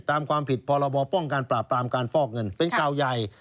ตามความผิดพรบป้องกันปราบปรามการฟอกเงินเป็นข่าวใหญ่